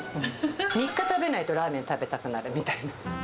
３日食べないと、ラーメン食べたくなるみたいな。